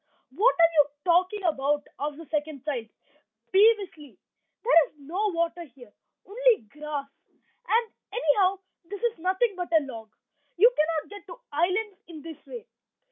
"What are you talking about?" asked the second child, peevishly. "There is no water here, only grass; and anyhow this is nothing but a log. You cannot get to islands in this way."